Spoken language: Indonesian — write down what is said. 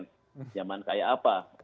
pinjaman kayak apa